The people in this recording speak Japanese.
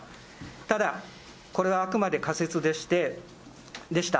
ただ、これはあくまで仮説でした。